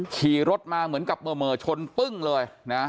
ขี่รถมาเหมือนกับเหม่อชนปึ้งเลยนะ